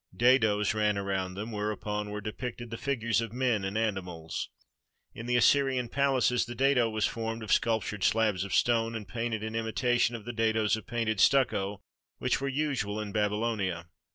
Dadoes ran around them, whereon were depicted the figures of men and animals. In the Assyrian palaces the dado was formed of sculptured slabs of stone, and painted in imitation of the dadoes of painted stucco which were usual in Babylonia.